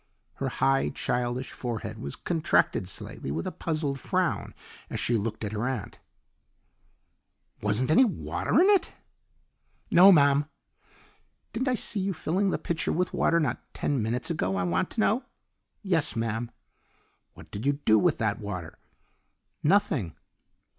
Her high, childish forehead was contracted slightly with a puzzled frown as she looked at her aunt. "Wasn't any water in it?" "No, ma'am." "Didn't I see you filling the pitcher with water not ten minutes ago, I want to know?" "Yes, ma'am." "What did you do with that water?" "Nothing."